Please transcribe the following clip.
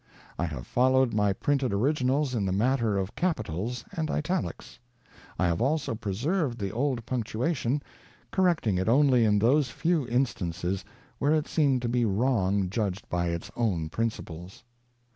I have followed my printed originals in the matter of capitals and italics. I have also preserved the old punctua tion, correcting it only in those few instances where it seemed to be wrong judged by its own principles.